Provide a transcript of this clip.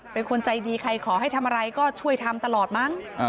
เป็นคนใจดีใครขอให้ทำอะไรก็ช่วยทำตลอดมั้ง